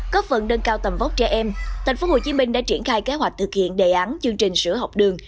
cấp phần đâng cao tầm vóc trẻ em tp hcm đã triển khai kế hoạch thực hiện đề án chương trình sữa học đường